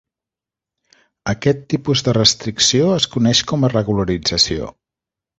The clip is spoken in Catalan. Aquest tipus de restricció es coneix com a regularització.